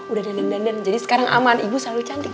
udah dandan dandan jadi sekarang aman ibu selalu cantik